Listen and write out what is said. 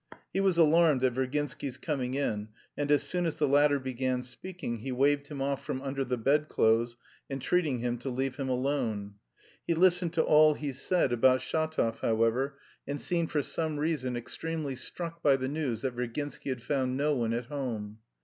He was alarmed at Virginsky's coming in, and as soon as the latter began speaking he waved him off from under the bedclothes, entreating him to let him alone. He listened to all he said about Shatov, however, and seemed for some reason extremely struck by the news that Virginsky had found no one at home.